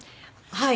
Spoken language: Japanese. はい。